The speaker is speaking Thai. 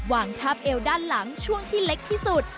วางทับเอวด้านหลังช่วงที่เล็กที่สุด